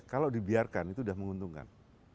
kalau dibiarkan itu sudah menguntungkan